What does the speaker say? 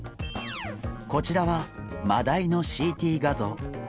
こちらはマダイのＣＴ画像。